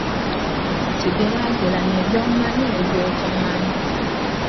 Kigeraageranye by'omanyi ne by'otomanyi.